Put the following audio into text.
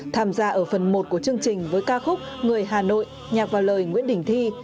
tham gia ở phần một của chương trình với ca khúc người hà nội nhạc vào lời nguyễn đình thi